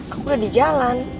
aku udah di jalan